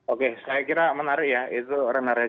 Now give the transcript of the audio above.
oke saya kira menarik ya itu orang yang menarik